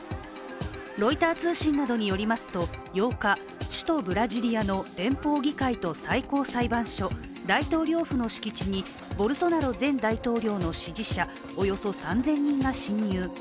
ロイター通信などによりますと８日、首都ブラジリアの連邦議会と最高裁判所、大統領府の敷地にボルソナロ前大統領の支持者およそ３０００人が侵入。